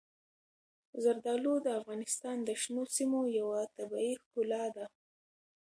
زردالو د افغانستان د شنو سیمو یوه طبیعي ښکلا ده.